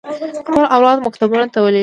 خپل اولاد مکتبونو ته ولېږي.